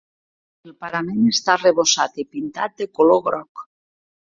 El parament està arrebossat i pintat de color groc.